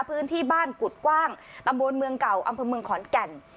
พื้นที่บ้านกุฎกว้างตำบลเมืองเก่าอำเภอเมืองขอนแก่น